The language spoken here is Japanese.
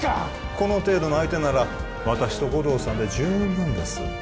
この程度の相手なら私と護道さんで十分です